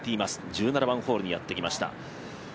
１７番ホールにやってきました。